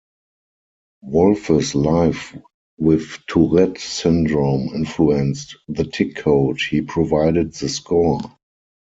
Wolff's life with Tourette syndrome influenced "The Tic Code"; he provided the score.